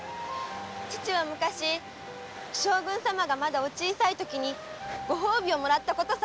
父は昔将軍様がまだお小さいときにご褒美をもらったことさえあるんです。